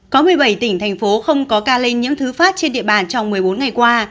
có một mươi bảy tỉnh thành phố không có ca lây nhiễm thứ phát trên địa bàn trong một mươi bốn ngày qua